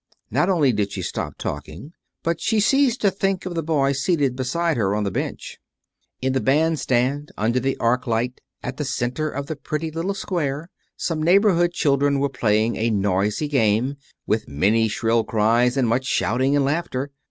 Not only did she stop talking, but she ceased to think of the boy seated beside her on the bench. In the band stand, under the arc light, in the center of the pretty little square, some neighborhood children were playing a noisy game, with many shrill cries, and much shouting and laughter.